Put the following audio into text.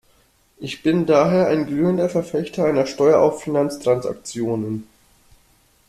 Ich bin daher ein glühender Verfechter einer Steuer auf Finanztransaktionen.